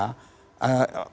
tetapi kalau orang yang berusaha